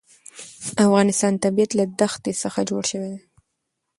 د افغانستان طبیعت له دښتې څخه جوړ شوی دی.